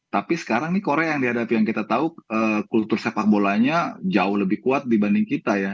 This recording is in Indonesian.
tapi sekarang nih korea yang dihadapi yang kita tahu kultur sepak bolanya jauh lebih kuat dibanding kita ya